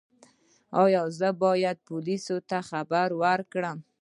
ایا زه باید پولیسو ته خبر ورکړم؟